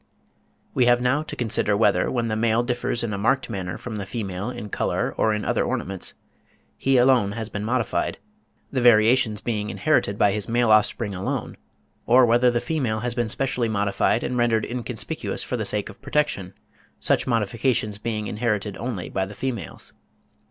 We have now to consider whether, when the male differs in a marked manner from the female in colour or in other ornaments, he alone has been modified, the variations being inherited by his male offspring alone; or whether the female has been specially modified and rendered inconspicuous for the sake of protection, such modifications being inherited only by the females.